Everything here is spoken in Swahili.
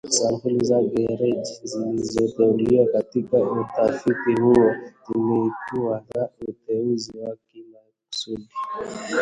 Sampuli za gereji zilizoteuliwa katika utafiti huu zilikuwa ya uteuzi wa kimaksudi